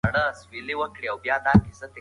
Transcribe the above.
لګښتونه مې په هغو شیانو وکړل چې تولید یې زیاتاوه.